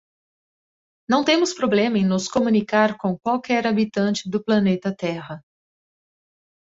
Não temos problema em nos comunicar com qualquer habitante do planeta Terra.